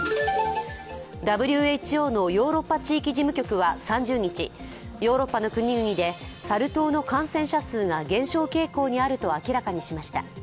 ＷＨＯのヨーロッパ地域事務局は３０日ヨーロッパの国々でサル痘の感染者数が減少傾向にあると明らかにしました。